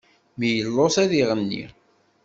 Mi yelluẓ ad iɣenni.